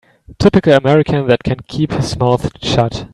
Typical American that can keep his mouth shut.